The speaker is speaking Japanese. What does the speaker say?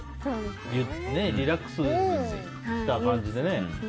リラックスした感じで。